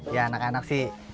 ya anak anak sih